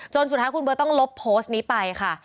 สุดท้ายคุณเบิร์ตต้องลบโพสต์นี้ไปค่ะ